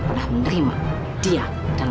tante sudah selesai menikahkan aku